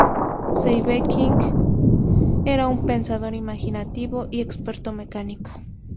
Sieveking era un pensador, imaginativo, y experto mecánico.